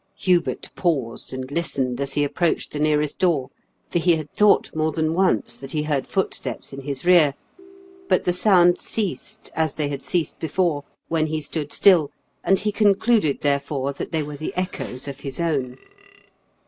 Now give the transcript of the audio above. Hubert paused and listened as he approached the nearest door, for he had thought more than once that he heard footsteps in his rear; but the sounds ceased, as they had ceased before, when he stood stiU, and he concluded, therefore, that they were the echoes of his own.